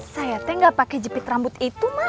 saya teh gak pake jepit rambut itu